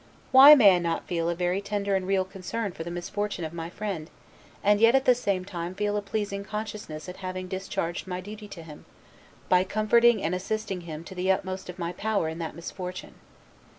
Why may I not feel a very tender and real concern for the misfortune of my friend, and yet at the same time feel a pleasing consciousness at having discharged my duty to him, by comforting and assisting him to the utmost of my power in that misfortune?